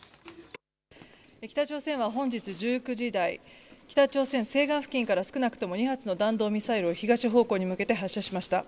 北朝鮮は本日１９時台、北朝鮮西岸付近から少なくとも２発の弾道ミサイルを東方向に向けて発射しました。